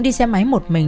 đi xe máy một mình